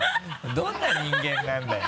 どんな人間なんだよ。